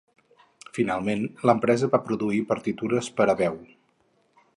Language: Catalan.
Finalment, l'empresa va produir partitures per a veu.